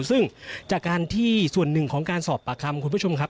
ซึ่งจากการที่ส่วนหนึ่งของการสอบปากคำคุณผู้ชมครับ